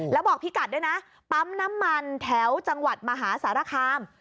แล้วบอกพี่กัดด้วยนะปั๊มน้ำมันแถวจังหวัดมหาสารคาม